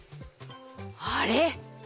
あれ？